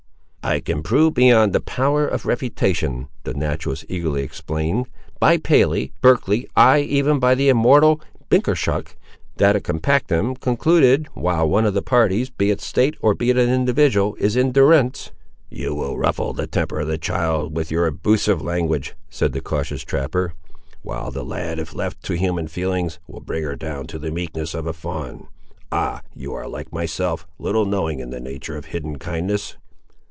"I can prove beyond the power of refutation," the naturalist eagerly exclaimed, "by Paley, Berkeley, ay, even by the immortal Binkerschoek, that a compactum, concluded while one of the parties, be it a state or be it an individual, is in durance—" "You will ruffle the temper of the child, with your abusive language," said the cautious trapper, "while the lad, if left to human feelings, will bring her down to the meekness of a fawn. Ah! you are like myself, little knowing in the natur' of hidden kindnesses!"